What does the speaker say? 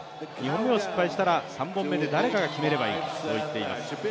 ２本目を失敗したら３本目で誰かが決めればいいと言っています。